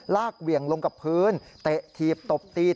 เหวี่ยงลงกับพื้นเตะถีบตบตี